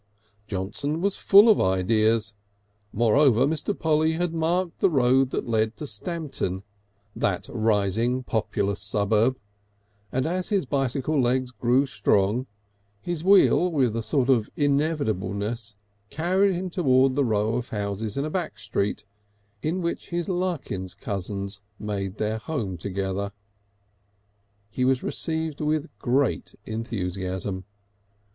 Johnson was full of ideas. Moreover, Mr. Polly had marked the road that led to Stamton, that rising populous suburb; and as his bicycle legs grew strong his wheel with a sort of inevitableness carried him towards the row of houses in a back street in which his Larkins cousins made their home together. He was received with great enthusiasm.